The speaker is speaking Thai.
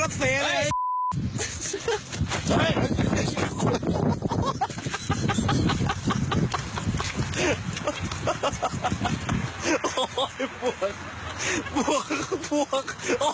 ปวกปวกปวก